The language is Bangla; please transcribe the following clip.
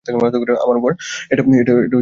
আমার ওপর এটা পরীক্ষা করবেন নাকি?